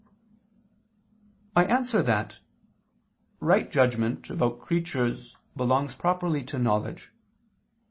I answer that, Right judgment about creatures belongs properly to knowledge.